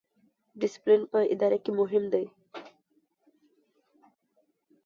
ډیسپلین په اداره کې مهم دی